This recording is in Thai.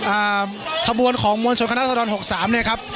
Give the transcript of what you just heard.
อ่าขบวนของมวลสนขนาดศรรณ๖๓เนี่ยครับ